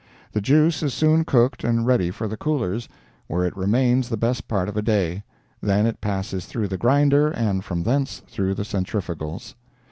The juice is soon cooked and ready for the coolers, where it remains the best part of a day; then it passes through the grinder and from thence through the centrifugals.